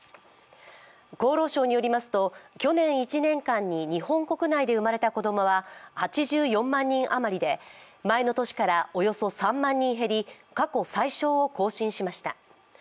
厚労省によりますと去年１年間に日本国内で生まれた子供は８４万人余りで前の年からおよそ３万人減り、過去最少を更新しました。